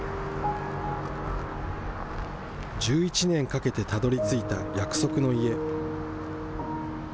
１１年かけてたどりついた約束の家。